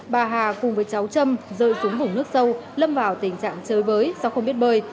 bà hà cùng với cháu trâm rơi xuống vùng nước sâu lâm vào tình trạng chơi bới do không biết bơi